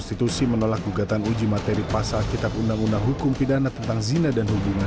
sebetulnya akhir tahun dua ribu tujuh belas